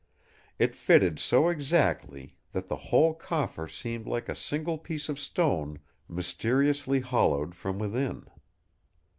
It fitted so exactly that the whole coffer seemed like a single piece of stone mysteriously hollowed from within.